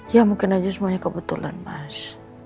ya mungkin aja semuanya kebetulan mas